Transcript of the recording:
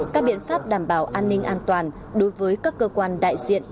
các biện pháp đảm bảo an ninh an toàn đối với các cơ quan đại diện